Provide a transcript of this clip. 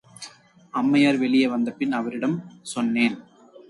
அம்மையார் வெளியே வந்தபின் அவரிடம் சொன்னேன்.